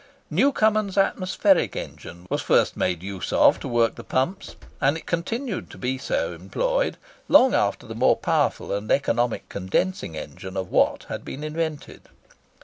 Newcomen's atmospheric engine was first made use of to work the pumps; and it continued to be so employed long after the more powerful and economical condensing engine of Watt had been invented.